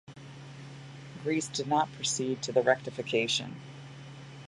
Greece did not proceed to the rectification.